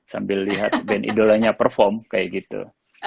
sambil lihat band idolanya perform kayak gitu